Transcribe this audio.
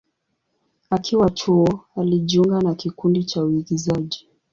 Akiwa chuo, alijiunga na kikundi cha uigizaji.